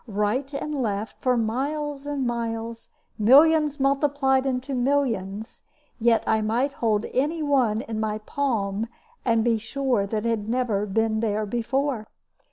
Right and left, for miles and miles, millions multiplied into millions; yet I might hold any one in my palm and be sure that it never had been there before.